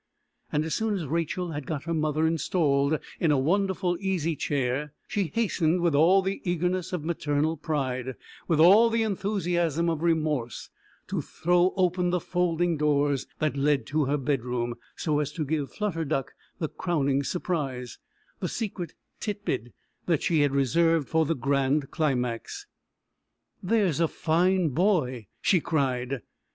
And as soon as Rachel had got her mother installed in a wonderful easy chair, she hastened with all the eagerness of maternal pride, with all the enthusiasm of remorse, to throw open the folding doors that led to her bedroom, so as to give Flutter Duck the crowning surprise the secret titbit she had reserved for the grand climax. "There's a fine boy!" she cried.